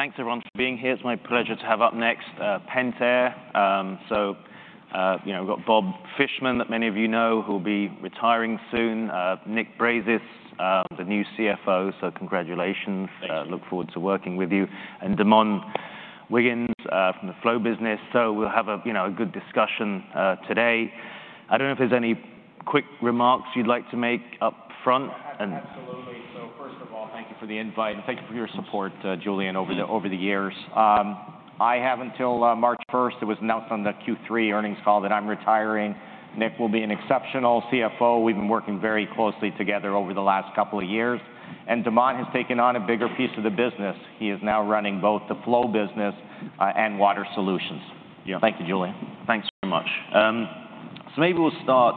Thanks everyone for being here. It's my pleasure to have up next, Pentair. You know, we've got Bob Fishman that many of you know, who'll be retiring soon. Nick Brazis, the new CFO, so congratulations. Thank you. Look forward to working with you. And De'Mon Wiggins from the Flow business. So we'll have a, you know, a good discussion today. I don't know if there's any quick remarks you'd like to make up front and- Absolutely. So first of all, thank you for the invite, and thank you for your support, Julian, over the- Thank you. over the years. I have until March 1st. It was announced on the Q3 earnings call that I'm retiring. Nick will be an exceptional CFO. We've been working very closely together over the last couple of years, and De'Mon has taken on a bigger piece of the business. He is now running both the Flow business and Water Solutions. Yeah. Thank you, Julian. Thanks very much. So maybe we'll start,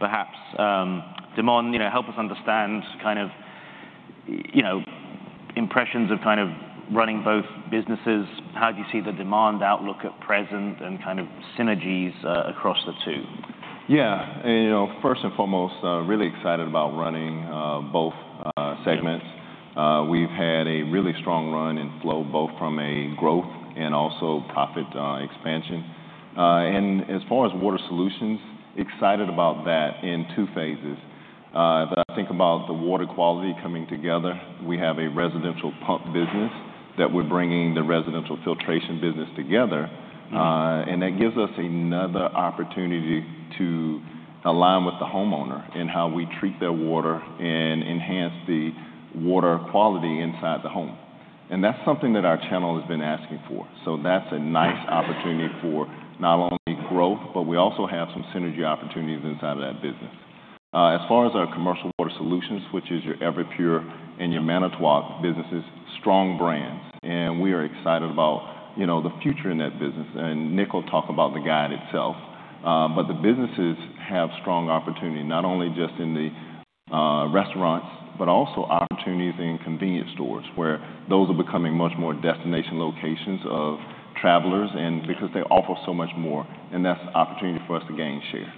perhaps, De'Mon, you know, help us understand kind of, you know, impressions of kind of running both businesses. How do you see the demand outlook at present and kind of synergies across the two? Yeah. You know, first and foremost, really excited about running both segments. Yeah. We've had a really strong run in Flow, both from a growth and also profit expansion. And as far as Water Solutions, excited about that in two phases. If I think about the water quality coming together, we have a residential pump business that we're bringing the residential filtration business together. Mm. And that gives us another opportunity to align with the homeowner in how we treat their water and enhance the water quality inside the home, and that's something that our channel has been asking for. So that's a nice opportunity for not only growth, but we also have some synergy opportunities inside of that business. As far as our Commercial Water Solutions, which is your Everpure and your Manitowoc businesses, strong brands, and we are excited about, you know, the future in that business. And Nick will talk about the guide itself. But the businesses have strong opportunity, not only just in the restaurants, but also opportunities in convenience stores, where those are becoming much more destination locations of travelers, and because they offer so much more, and that's an opportunity for us to gain share.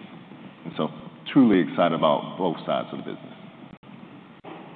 And so truly excited about both sides of the business.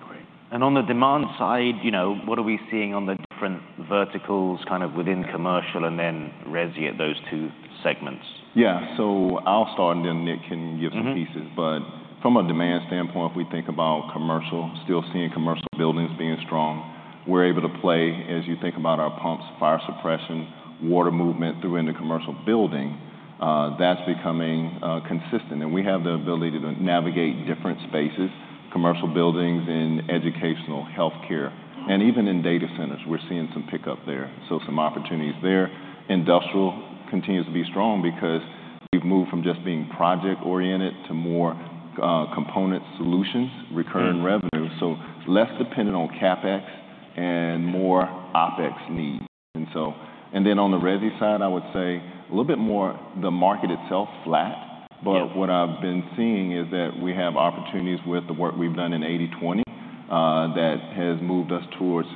Great. On the demand side, you know, what are we seeing on the different verticals, kind of within commercial and then resi at those two segments? Yeah. I'll start, and then Nick can give some pieces. Mm-hmm. But from a demand standpoint, if we think about commercial, still seeing commercial buildings being strong. We're able to play, as you think about our pumps, fire suppression, water movement through in the commercial building, that's becoming consistent. And we have the ability to navigate different spaces, commercial buildings and educational, healthcare, and even in data centers, we're seeing some pickup there, so some opportunities there. Industrial continues to be strong because we've moved from just being project-oriented to more component solutions, recurring revenue. Mm. Less dependent on CapEx and more OpEx needs. On the resi side, I would say a little bit more the market itself flat. Yeah. But what I've been seeing is that we have opportunities with the work we've done in 80/20 that has moved us towards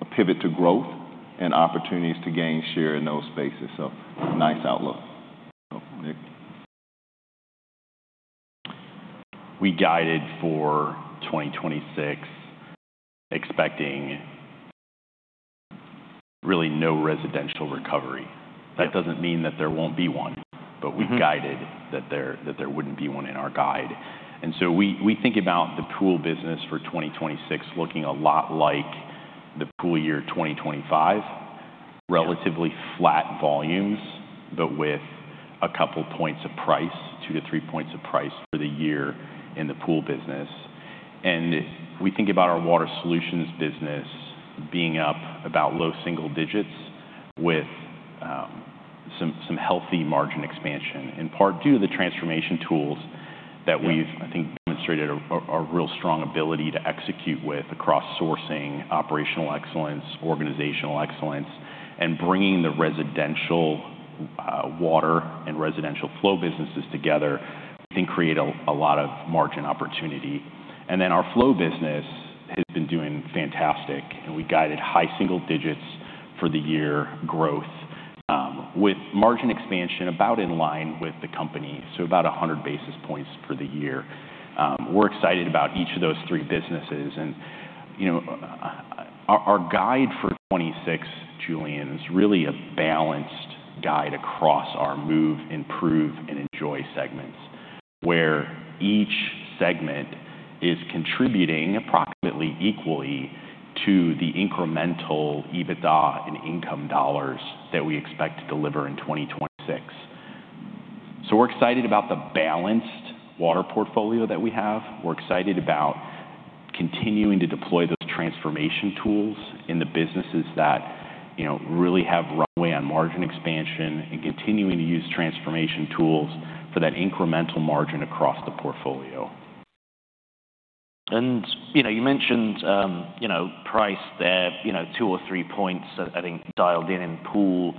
a pivot to growth and opportunities to gain share in those spaces. So nice outlook. So, Nick. We guided for 2026, expecting really no residential recovery. Yeah. That doesn't mean that there won't be one- Mm-hmm... but we've guided that there, that there wouldn't be one in our guide. And so we, we think about the Pool business for 2026 looking a lot like the pool year 2025. Yeah. Relatively flat volumes, but with a couple points of price, two to three points of price for the year in the Pool business. If we think about our Water Solutions business being up about low single digits with some healthy margin expansion, in part due to the transformation tools that we've- Yeah... I think demonstrated a real strong ability to execute with across sourcing, operational excellence, organizational excellence, and bringing the Residential Water and Residential Flow businesses together, I think create a lot of margin opportunity. And then our Flow business has been doing fantastic, and we guided high single digits for the year growth with margin expansion about in line with the company, so about 100 basis points for the year. We're excited about each of those three businesses, and you know our guide for 2026, Julian, is really a balanced guide across our Move, Improve, and Enjoy segments, where each segment is contributing approximately equally to the incremental EBITDA and income dollars that we expect to deliver in 2026. So we're excited about the balanced water portfolio that we have. We're excited about continuing to deploy those transformation tools in the businesses that, you know, really have runway on margin expansion and continuing to use transformation tools for that incremental margin across the portfolio. You know, you mentioned, you know, price there, you know, two or three points, I think dialed in in pool.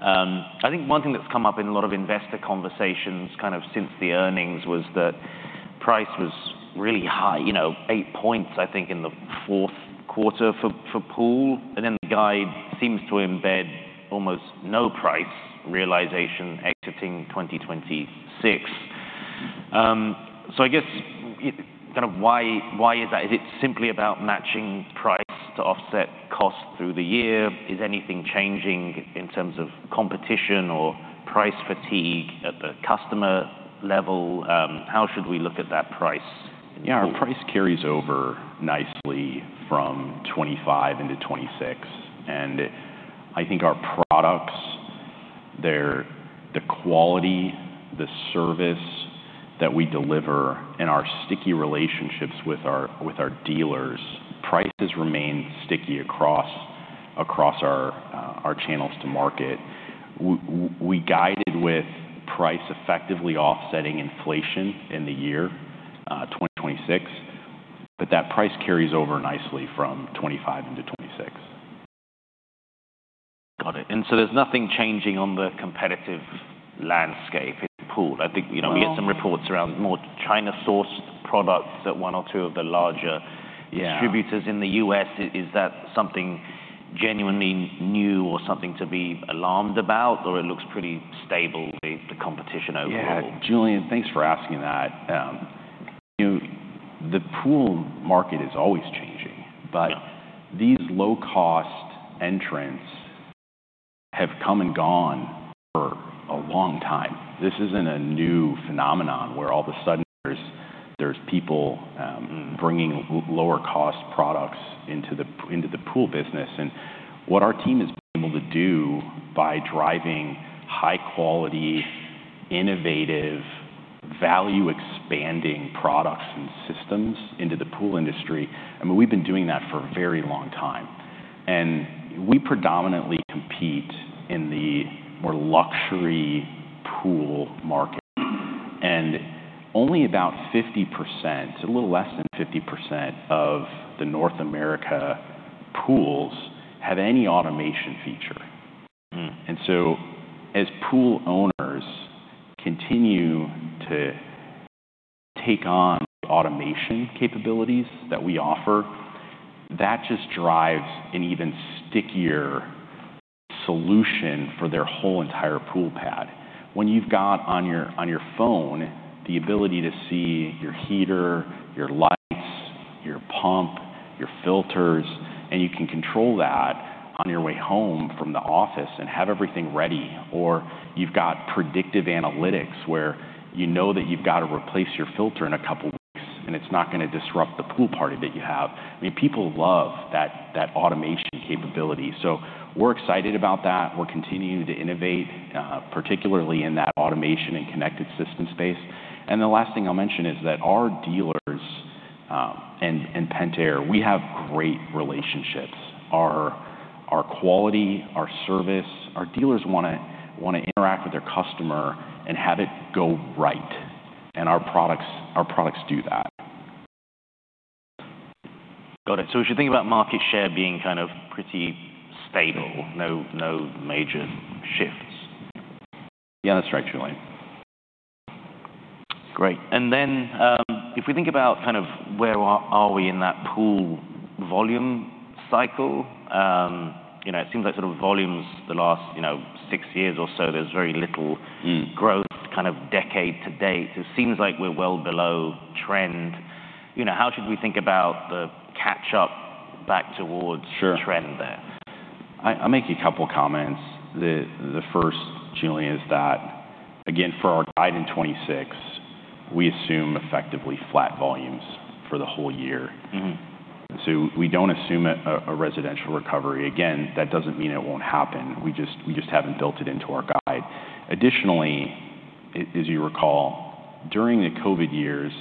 I think one thing that's come up in a lot of investor conversations, kind of since the earnings, was that price was really high, you know, eight points, I think, in the fourth quarter for, for pool, and then the guide seems to embed almost no price realization exiting 2026. So I guess, kind of why, why is that? Is it simply about matching price to offset costs through the year? Is anything changing in terms of competition or price fatigue at the customer level? How should we look at that price? Yeah, our price carries over nicely from 2025 into 2026, and I think our products, their quality, the service that we deliver, and our sticky relationships with our dealers, prices remain sticky across our channels to market. We guided with price effectively offsetting inflation in the year 2026, but that price carries over nicely from 2025 into 2026. Got it. And so there's nothing changing on the competitive landscape in pool? I think, you know- Well- We get some reports around more China-sourced products at one or two of the larger- Yeah... distributors in the U.S. Is that something genuinely new or something to be alarmed about, or it looks pretty stable, the competition overall? Yeah, Julian, thanks for asking that. You know, the pool market is always changing, but these low-cost entrants have come and gone for a long time. This isn't a new phenomenon where all of a sudden there's people bringing lower-cost products into the Pool business. And what our team has been able to do by driving high-quality, innovative, value-expanding products and systems into the pool industry, I mean, we've been doing that for a very long time. And we predominantly compete in the more luxury pool market, and only about 50%, a little less than 50% of the North America pools have any automation feature. Mm. And so as pool owners continue to take on the automation capabilities that we offer, that just drives an even stickier solution for their whole entire pool pad. When you've got on your, on your phone, the ability to see your heater, your lights, your pump, your filters, and you can control that on your way home from the office and have everything ready, or you've got predictive analytics, where you know that you've got to replace your filter in a couple weeks, and it's not gonna disrupt the pool party that you have, I mean, people love that, that automation capability. So we're excited about that. We're continuing to innovate, particularly in that automation and connected system space. And the last thing I'll mention is that our dealers, and Pentair, we have great relationships. Our quality, our service, our dealers wanna interact with their customer and have it go right, and our products do that. Got it. So we should think about market share being kind of pretty stable, no, no major shifts? Yeah, that's right, Julian. Great. And then, if we think about kind of where are we in that pool volume cycle, you know, it seems like sort of volumes the last, you know, six years or so, there's very little- Mm... growth kind of decade to date. It seems like we're well below trend. You know, how should we think about the catch-up back towards- Sure... trend there? I'll make a couple comments. The first, Julian, is that, again, for our guide in 2026, we assume effectively flat volumes for the whole year. Mm-hmm. So we don't assume a residential recovery. Again, that doesn't mean it won't happen, we just haven't built it into our guide. Additionally, as you recall, during the COVID years,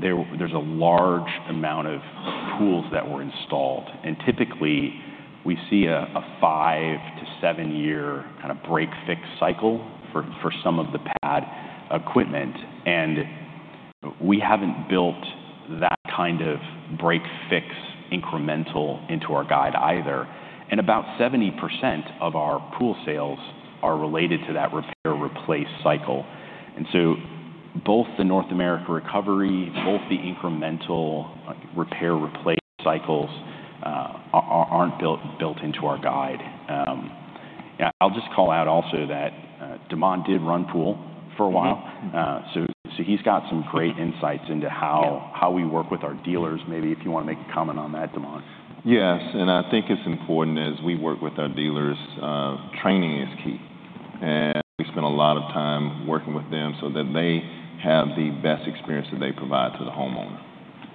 there's a large amount of pools that were installed, and typically, we see a five to seven-year kind of break-fix cycle for some of the pad equipment, and we haven't built that kind of break-fix incremental into our guide either. And about 70% of our pool sales are related to that repair/replace cycle. And so both the North America recovery, both the incremental repair/replace cycles, aren't built into our guide. Yeah, I'll just call out also that De'Mon did run pool for a while. Mm-hmm. So, he's got some great insights into how- Yeah... how we work with our dealers. Maybe if you wanna make a comment on that, De'Mon. Yes, and I think it's important as we work with our dealers, training is key. And we spend a lot of time working with them so that they have the best experience that they provide to the homeowner.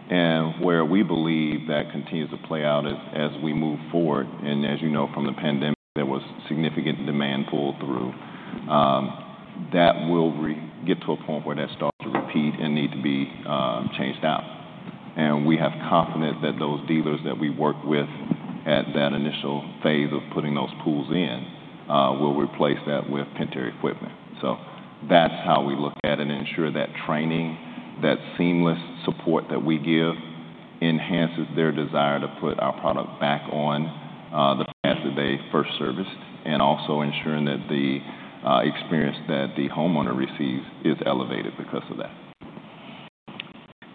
And where we believe that continues to play out as we move forward, and as you know from the pandemic, there was significant demand pull through that will get to a point where that starts to repeat and need to be changed out. And we have confidence that those dealers that we worked with at that initial phase of putting those pools in will replace that with Pentair equipment. So that's how we look at it and ensure that training, that seamless support that we give, enhances their desire to put our product back on, the pads that they first serviced, and also ensuring that the experience that the homeowner receives is elevated because of that....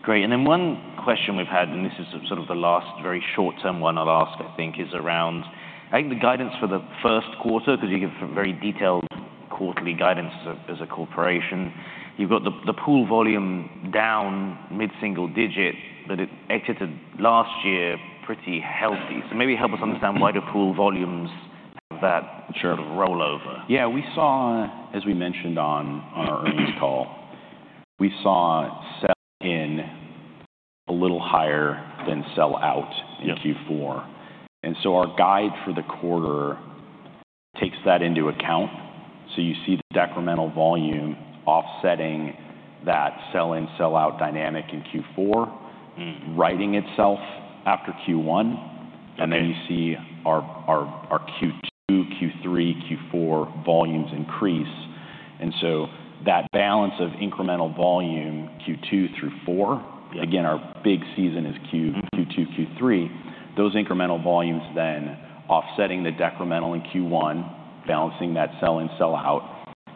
Great. And then one question we've had, and this is sort of the last very short-term one I'll ask, I think, is around, I think the guidance for the first quarter, 'cause you give very detailed quarterly guidance as a, as a corporation. You've got the, the pool volume down mid-single digit, but it exited last year pretty healthy. So maybe help us understand, why do pool volumes have that- Sure - sort of rollover? Yeah, we saw, as we mentioned on our earnings call, we saw sell-in a little higher than sell-out- Yep - in Q4. And so our guide for the quarter takes that into account. So you see the decremental volume offsetting that sell-in, sell-out dynamic in Q4- Mm... righting itself after Q1. Okay. And then you see our Q2, Q3, Q4 volumes increase. And so that balance of incremental volume, Q2 through four- Yeah... again, our big season is Q2, Q2, Q3. Those incremental volumes then offsetting the decremental in Q1, balancing that sell-in, sell-out,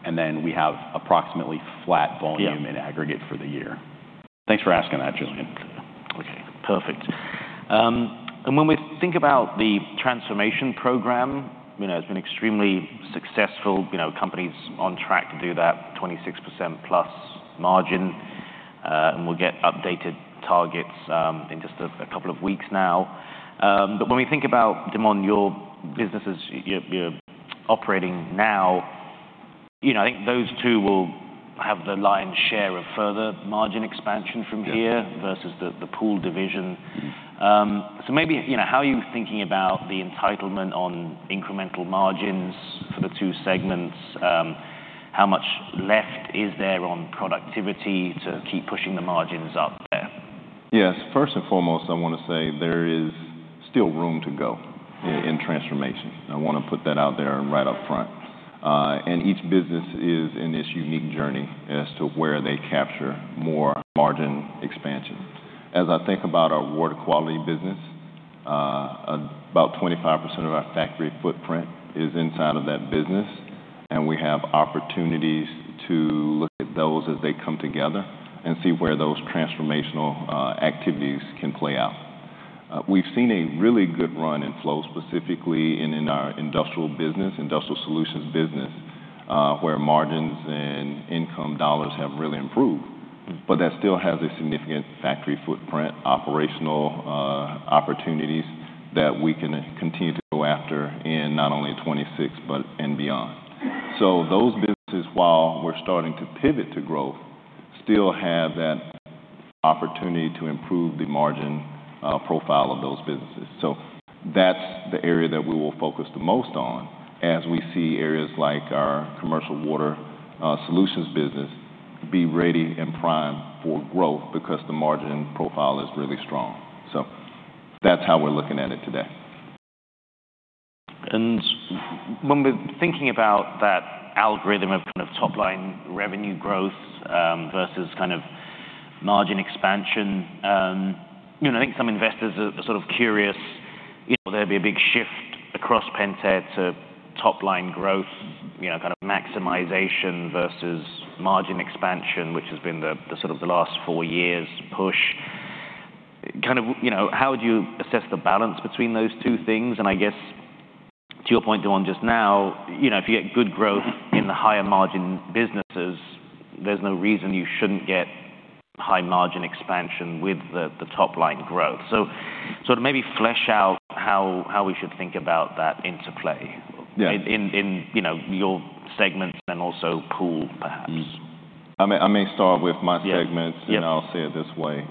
and then we have approximately flat volume. Yeah in aggregate for the year. Thanks for asking that, Julian. Okay, perfect. And when we think about the transformation program, you know, it's been extremely successful. You know, company's on track to do that 26%+ margin, and we'll get updated targets in just a couple of weeks now. But when we think about, De'Mon, your businesses you're operating now, you know, I think those two will have the lion's share of further margin expansion from here- Yes. - versus the Pool division. Mm. So maybe, you know, how are you thinking about the entitlement on incremental margins for the two segments? How much left is there on productivity to keep pushing the margins up there? Yes. First and foremost, I wanna say there is still room to go in transformation. I wanna put that out there right up front. And each business is in its unique journey as to where they capture more margin expansion. As I think about our water quality business, about 25% of our factory footprint is inside of that business, and we have opportunities to look at those as they come together and see where those transformational activities can play out. We've seen a really good run in flow, specifically in our industrial business, Industrial Solutions business, where margins and income dollars have really improved. Mm. But that still has a significant factory footprint, operational opportunities that we can continue to go after in not only 2026, but and beyond. So those businesses, while we're starting to pivot to growth, still have that opportunity to improve the margin profile of those businesses. So that's the area that we will focus the most on as we see areas like our Commercial Water Solutions business be ready and primed for growth because the margin profile is really strong. So that's how we're looking at it today. When we're thinking about that algorithm of kind of top line revenue growth, versus kind of margin expansion, you know, I think some investors are, are sort of curious, will there be a big shift across Pentair to top line growth, you know, kind of maximization versus margin expansion, which has been the, the sort of the last four years push? Kind of, you know, how would you assess the balance between those two things? And I guess to your point, De'Mon, just now, you know, if you get good growth in the higher margin businesses, there's no reason you shouldn't get high margin expansion with the, the top line growth. So, so to maybe flesh out how, how we should think about that interplay- Yeah... in, you know, your segments and also pool, perhaps. Mmm. I may start with my segments. Yeah. Yeah. I'll say it this way: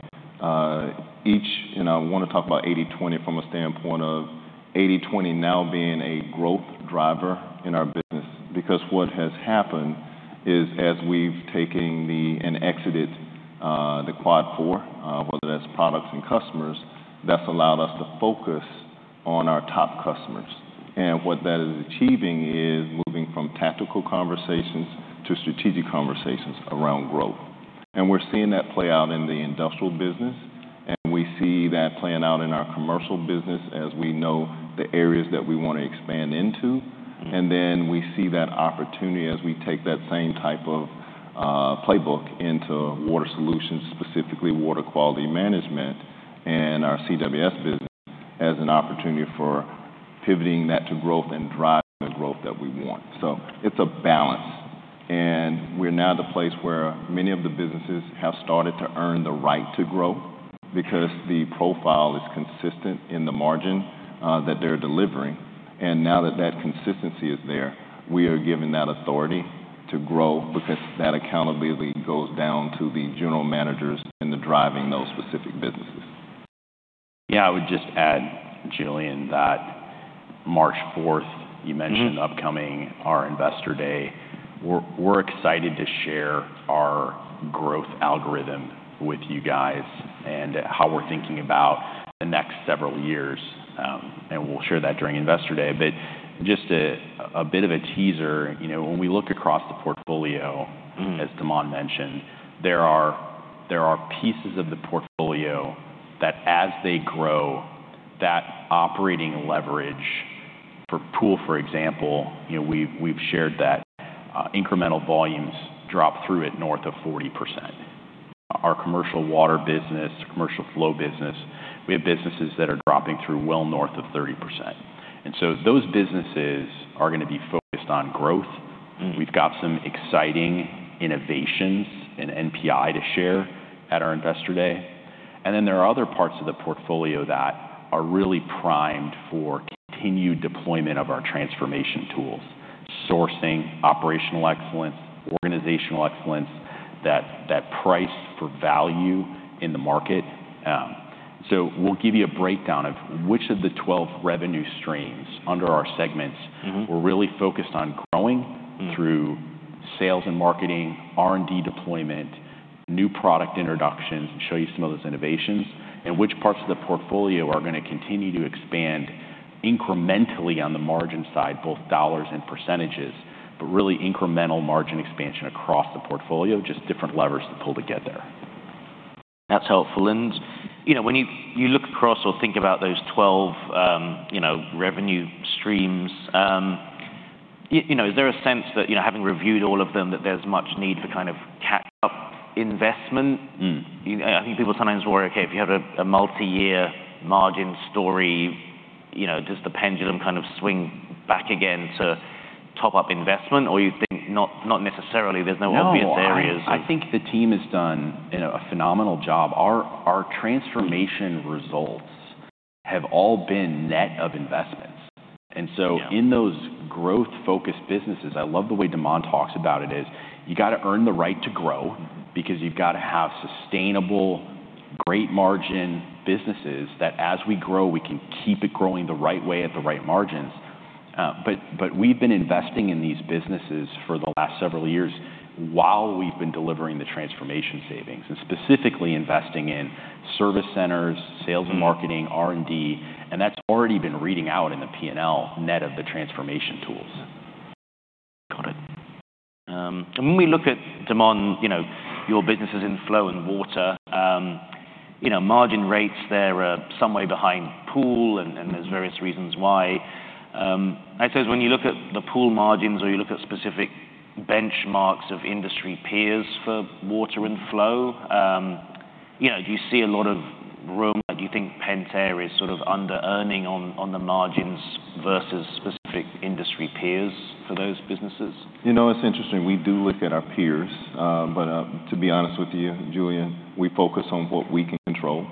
you know, I wanna talk about 80/20 from a standpoint of 80/20 now being a growth driver in our business. Because what has happened is, as we've taken the and exited the Quad 4, whether that's products and customers, that's allowed us to focus on our top customers. And what that is achieving is moving from tactical conversations to strategic conversations around growth. And we're seeing that play out in the industrial business, and we see that playing out in our commercial business as we know the areas that we wanna expand into. Mm. And then we see that opportunity as we take that same type of playbook into water solutions, specifically water quality management and our CWS business, as an opportunity for pivoting that to growth and driving the growth that we want. So it's a balance, and we're now at the place where many of the businesses have started to earn the right to grow because the profile is consistent in the margin that they're delivering. And now that that consistency is there, we are given that authority to grow because that accountability goes down to the general managers in the driving those specific businesses. Yeah, I would just add, Julian, that March 4th, you mentioned- Mm-hmm ...upcoming, our Investor Day, we're excited to share our growth algorithm with you guys and how we're thinking about the next several years. And we'll share that during Investor Day. But just a bit of a teaser, you know, when we look across the portfolio- Mm... as De'Mon mentioned, there are pieces of the portfolio that as they grow, that operating leverage, for pool, for example, you know, we've shared that incremental volumes drop through it north of 40%. Our commercial water business, commercial flow business, we have businesses that are dropping through well north of 30%. And so those businesses are gonna be focused on growth. Mm-hmm. We've got some exciting innovations in NPI to share at our Investor Day. Then there are other parts of the portfolio that are really primed for continued deployment of our transformation tools: sourcing, operational excellence, organizational excellence, that price for value in the market. So we'll give you a breakdown of which of the 12 revenue streams under our segments- Mm-hmm. We're really focused on growing. Mm. Through sales and marketing, R&D deployment, new product introductions, and show you some of those innovations, and which parts of the portfolio are gonna continue to expand incrementally on the margin side, both dollars and percentages, but really incremental margin expansion across the portfolio, just different levers to pull to get there. That's helpful. And, you know, when you look across or think about those 12, you know, revenue streams, you know, is there a sense that, you know, having reviewed all of them, that there's much need for kind of catch-up investment? Mm. I think people sometimes worry, okay, if you have a, a multi-year margin story, you know, does the pendulum kind of swing back again to top-up investment? Or you think not, not necessarily, there's no obvious areas of- No, I think the team has done, you know, a phenomenal job. Our transformation results have all been net of investments. Yeah. And so in those growth-focused businesses, I love the way De'Mon talks about it, is you gotta earn the right to grow because you've gotta have sustainable, great margin businesses that as we grow, we can keep it growing the right way at the right margins. But we've been investing in these businesses for the last several years while we've been delivering the transformation savings, and specifically investing in service centers, sales and marketing- Mm... R&D, and that's already been reading out in the P&L net of the transformation tools. Got it. When we look at, De'Mon, you know, your businesses in flow and water, you know, margin rates, they're some way behind pool, and there's various reasons why. I'd say when you look at the pool margins or you look at specific benchmarks of industry peers for water and flow, you know, do you see a lot of room? Do you think Pentair is sort of under-earning on the margins versus specific industry peers for those businesses? You know, it's interesting, we do look at our peers, but, to be honest with you, Julian, we focus on what we can control,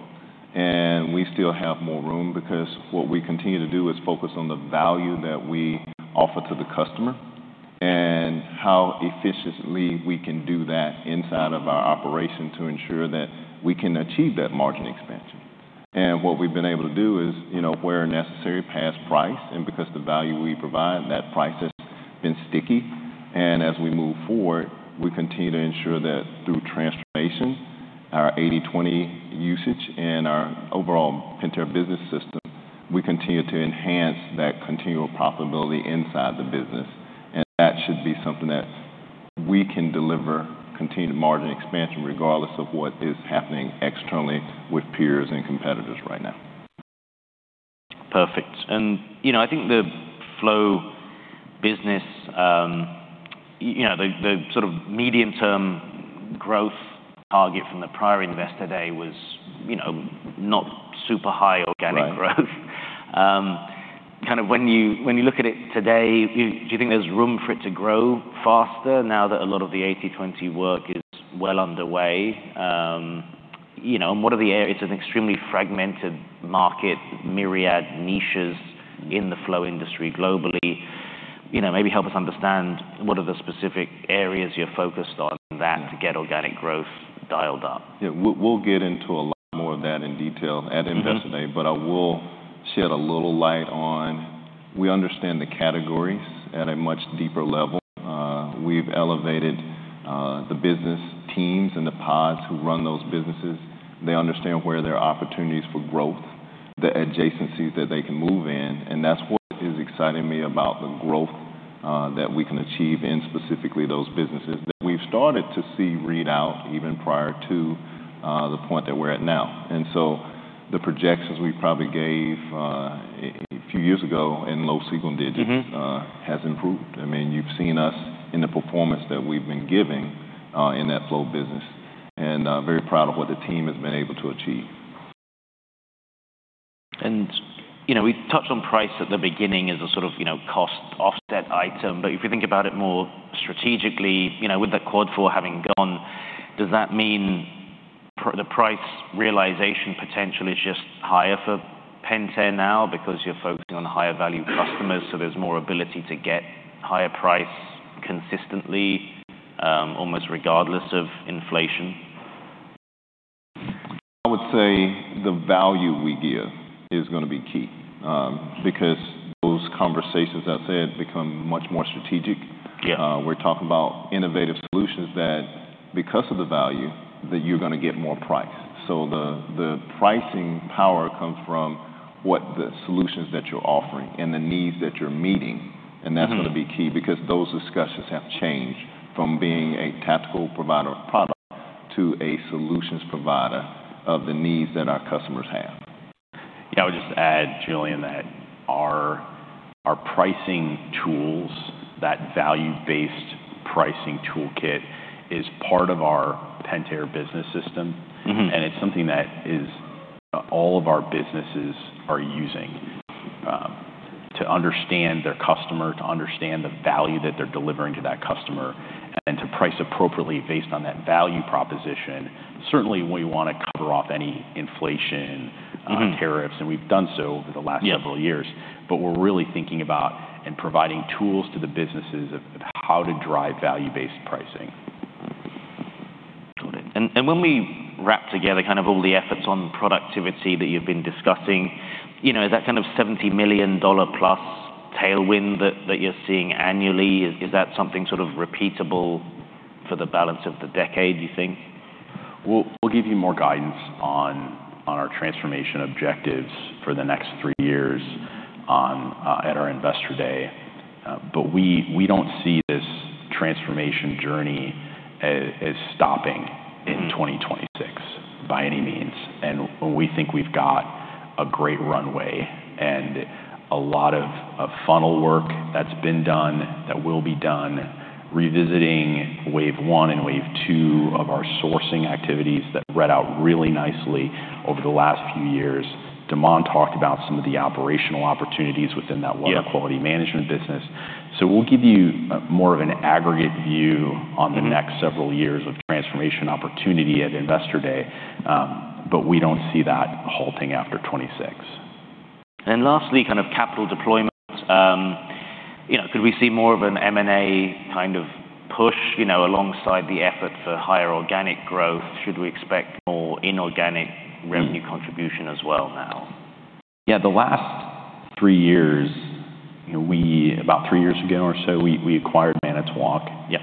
and we still have more room because what we continue to do is focus on the value that we offer to the customer and how efficiently we can do that inside of our operation to ensure that we can achieve that margin expansion. And what we've been able to do is, you know, where necessary, pass price, and because the value we provide, that price has been sticky. And as we move forward, we continue to ensure that through transformation, our 80/20 usage and our overall Pentair Business System, we continue to enhance that continual profitability inside the business, and that should be something that we can deliver continued margin expansion, regardless of what is happening externally with peers and competitors right now. Perfect. And, you know, I think the flow business, you know, the sort of medium-term growth target from the prior Investor Day was, you know, not super high organic growth. Right. Kind of when you look at it today, do you think there's room for it to grow faster now that a lot of the 80/20 work is well underway? You know, and what are the areas... It's an extremely fragmented market, myriad niches in the flow industry globally. You know, maybe help us understand what are the specific areas you're focused on that to get organic growth dialed up. Yeah. We'll get into a lot more of that in detail at Investor Day. Mm-hmm... but I will shed a little light on: we understand the categories at a much deeper level. We've elevated the business teams and the pods who run those businesses. They understand where there are opportunities for growth, the adjacencies that they can move in, and that's what is exciting me about the growth that we can achieve in specifically those businesses, that we've started to see read out even prior to the point that we're at now. And so the projections we probably gave a few years ago in low single digits- Mm-hmm... has improved. I mean, you've seen us in the performance that we've been giving, in that flow business, and, very proud of what the team has been able to achieve. You know, we touched on price at the beginning as a sort of, you know, cost offset item. But if you think about it more strategically, you know, with the Quad 4 having gone, does that mean the price realization potential is just higher for Pentair now because you're focusing on higher value customers, so there's more ability to get higher price consistently, almost regardless of inflation? I would say the value we give is gonna be key, because those conversations, as I said, become much more strategic. Yeah. We're talking about innovative solutions that, because of the value, that you're gonna get more price. So the pricing power comes from what the solutions that you're offering and the needs that you're meeting. Mm-hmm. And that's gonna be key because those discussions have changed from being a tactical provider of product to a solutions provider of the needs that our customers have. Yeah, I would just add, Julian, that our pricing tools, that value-based pricing toolkit, is part of our Pentair business system. Mm-hmm. It's something that is, all of our businesses are using, to understand their customer, to understand the value that they're delivering to that customer, and then to price appropriately based on that value proposition. Certainly, we wanna cover off any inflation. Mm-hmm tariffs, and we've done so over the last- Yeah several years. But we're really thinking about and providing tools to the businesses of how to drive value-based pricing. Got it. When we wrap together kind of all the efforts on productivity that you've been discussing, you know, that kind of $70 million plus tailwind that you're seeing annually, is that something sort of repeatable for the balance of the decade, you think? We'll give you more guidance on our transformation objectives for the next three years on at our Investor Day. But we don't see this transformation journey as stopping in- Mm-hmm -2026, by any means. We think we've got a great runway and a lot of, of funnel work that's been done, that will be done, revisiting wave one and wave two of our sourcing activities that read out really nicely over the last few years. De'Mon talked about some of the operational opportunities within that- Yeah -water quality management business. So we'll give you, more of an aggregate view on- Mm-hmm -the next several years of transformation opportunity at Investor Day, but we don't see that halting after 2026. And lastly, kind of capital deployment. You know, could we see more of an M&A kind of push, you know, alongside the effort for higher organic growth? Should we expect more inorganic revenue contribution as well now? Yeah, the last three years, you know, about three years ago or so, we acquired Manitowoc. Yeah.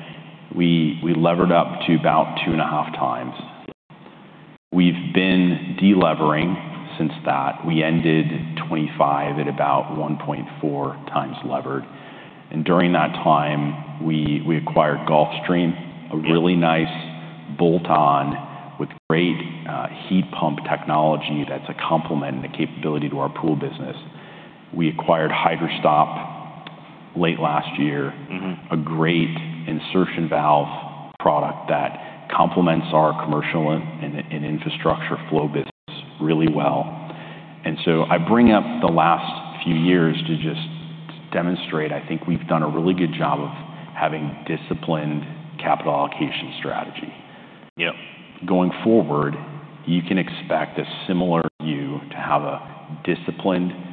We levered up to about 2.5x. We've been de-levering since that. We ended 2025 at about 1.4x levered, and during that time, we acquired Gulfstream- Yeah... a really nice bolt-on with great, heat pump technology that's a complement and a capability to our Pool business. We acquired Hydra-Stop late last year. Mm-hmm. A great insertion valve product that complements our commercial and infrastructure flow business really well. And so I bring up the last few years to just demonstrate, I think we've done a really good job of having disciplined capital allocation strategy. Yep. Going forward, you can expect a similar view to have a disciplined capital allocation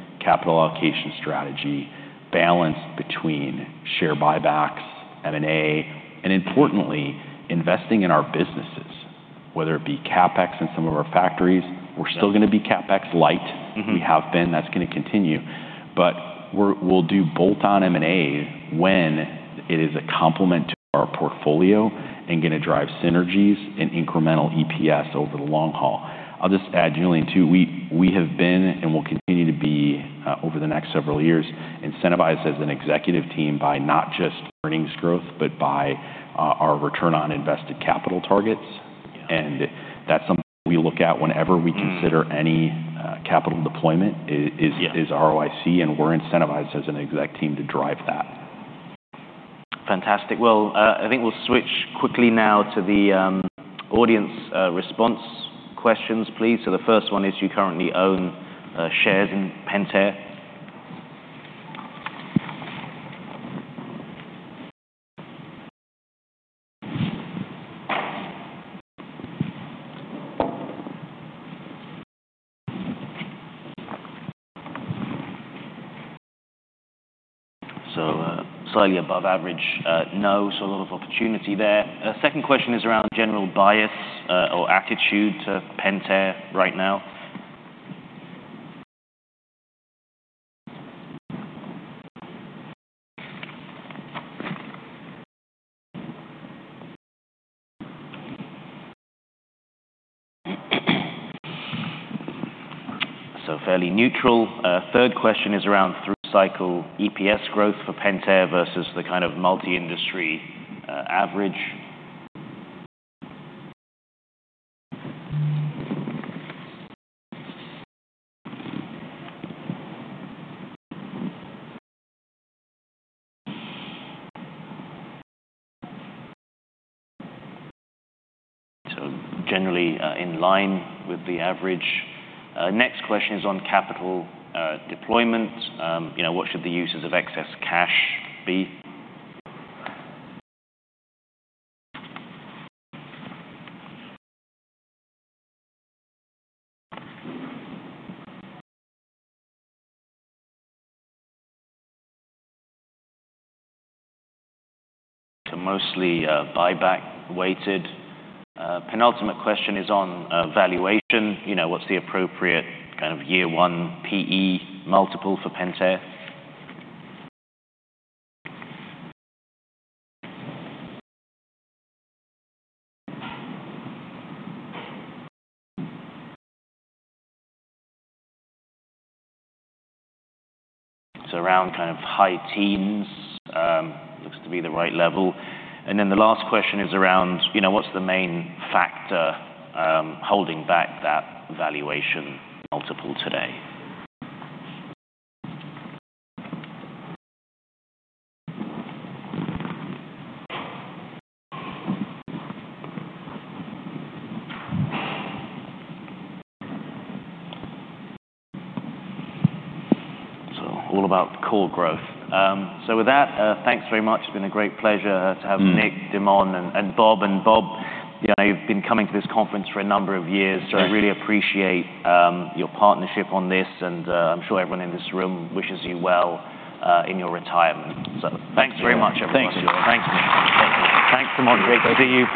strategy balanced between share buybacks, M&A, and importantly, investing in our businesses, whether it be CapEx in some of our factories. Yeah. We're still gonna be CapEx light. Mm-hmm. We have been. That's gonna continue. But we're, we'll do bolt-on M&A when it is a complement to our portfolio and gonna drive synergies and incremental EPS over the long haul. I'll just add, Julian, too, we, we have been and will continue to be, over the next several years, incentivized as an executive team by not just earnings growth, but by, our return on invested capital targets. Yeah. And that's something we look at whenever we- Mm-hmm... consider any capital deployment, is- Yeah... is ROIC, and we're incentivized as an exec team to drive that. Fantastic. Well, I think we'll switch quickly now to the audience response questions, please. So the first one, is you currently own shares in Pentair? So, slightly above average, no, so a lot of opportunity there. Second question is around the general bias or attitude to Pentair right now. So fairly neutral. Third question is around through cycle EPS growth for Pentair versus the kind of multi-industry average. So generally, in line with the average. Next question is on capital deployment. You know, what should the uses of excess cash be? So mostly, buyback weighted. Penultimate question is on valuation. You know, what's the appropriate kind of year one PE multiple for Pentair? So around kind of high teens, looks to be the right level. And then the last question is around, you know, what's the main factor holding back that valuation multiple today? So all about core growth. So with that, thanks very much. It's been a great pleasure to have- Mm-hmm... Nick, De'Mon, and, and Bob. Bob, you know, you've been coming to this conference for a number of years- Yes. So I really appreciate your partnership on this, and I'm sure everyone in this room wishes you well in your retirement. So thanks very much, everyone. Thank you. Thanks. Thanks for moderating. Good to see you.